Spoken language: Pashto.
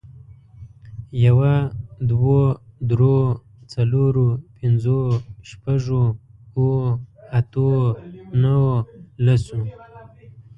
يوه، دوو، درو، څلورو، پنځو، شپږو، اوو، اتو، نهو، لسو